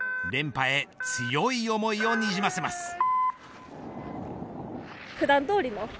連覇へ強い思いをにじませます。